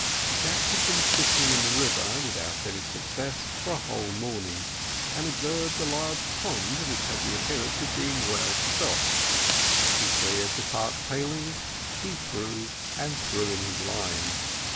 Jack had been fishing in the river, without any success, for a whole morning, and observed a large pond which had the appearance of being well stocked he cleared the park palings, and threw in his line.